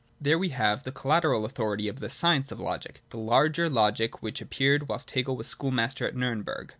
There we have the collateral authority of the 'Science of Logic/ the larger Logic which appeared whilst Hegel was schoolmaster at Niirnberg.